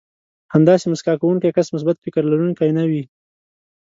همداسې مسکا کوونکی کس مثبت فکر لرونکی نه وي.